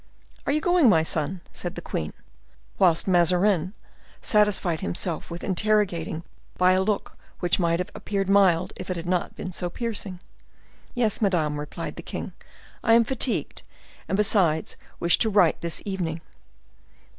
"Are you going, my son?" said the queen, whilst Mazarin satisfied himself with interrogating by a look which might have appeared mild if it had not been so piercing. "Yes, madame," replied the king; "I am fatigued, and, besides, wish to write this evening."